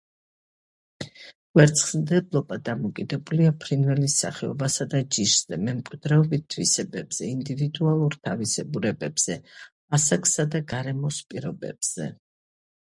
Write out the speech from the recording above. კვერცხმდებლობა დამოკიდებულია ფრინველის სახეობასა და ჯიშზე, მემკვიდრეობით თვისებებზე, ინდივიდუალურ თავისებურებებზე, ასაკსა და გარემოს პირობებზე.